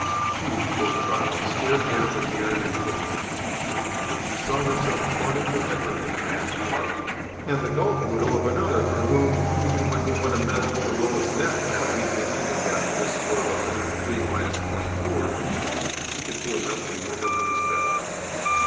She, poor child, stared down the years into a bleak future, in which she saw herself parted for ever from the man she loved, and the golf widow of another for whom even when he won a medal for lowest net at a weekly handicap with a score of a hundred and three minus twenty four she could feel nothing warmer than respect.